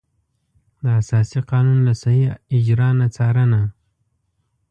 د اساسي قانون له صحیح اجرا نه څارنه.